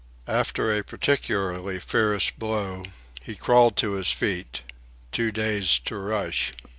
After a particularly fierce blow, he crawled to his feet, too dazed to rush.